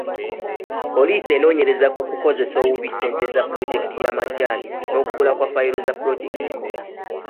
Poliisi enoonyereza ku kukozesa obubi ssente za pulojekiti y'amajaani n'okubula kwa ffayiro za pulojekiti.